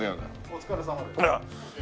お疲れさまです。